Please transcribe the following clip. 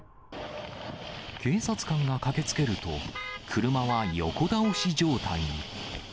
警察官が駆けつけると、車は横倒し状態に。